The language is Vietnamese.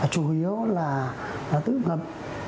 chủ yếu là tư ngập